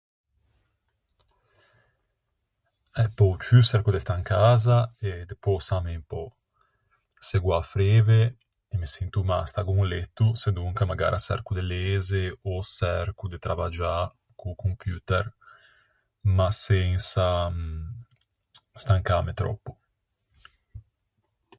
Eh, pe-o ciù çerco de stâ in casa e de pösâme un pö. Se gh'ò a freve e me sento mâ staggo in letto, sedonca magara çerco de leze ò çerco de travaggiâ co-o computer, ma sensa stancâme tròppo.